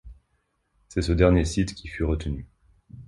C'est ce dernier site qui fut retenu.